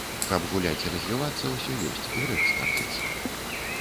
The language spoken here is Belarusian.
Каб гуляць і развівацца ўсё ёсць, грэх скардзіцца.